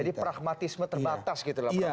jadi pragmatisme terbatas gitu lah